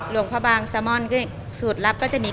หลวงพระบางซาม่อนก็สูตรลับก็จะมี